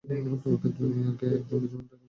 তোমরা দুনিয়াকে একজন বুদ্ধিমান থেকে বঞ্চিত করবে।